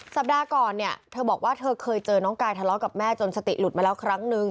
สัปดาห์ก่อนเนี่ยเธอบอกว่าเธอเคยเจอน้องกายทะเลาะกับแม่จนสติหลุดมาแล้วครั้งนึง